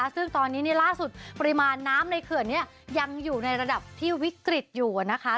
ซึ่งตอนนี้ล่าสุดปริมาณน้ำในเขื่อนนี้ยังอยู่ในระดับที่วิกฤตอยู่นะคะ